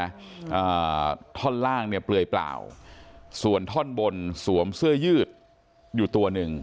อ่าท่อนล่างเนี่ยเปลือยเปล่าส่วนท่อนบนสวมเสื้อยืดอยู่ตัวหนึ่ง